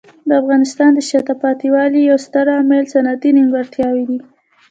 د افغانستان د شاته پاتې والي یو ستر عامل صنعتي نیمګړتیاوې دي.